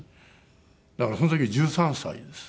だからその時１３歳です。